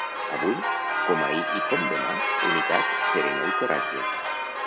Avui, com ahir i com demà, unitat, serenor i coratge.